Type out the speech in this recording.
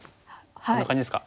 こんな感じですか。